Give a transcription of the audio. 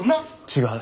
違う。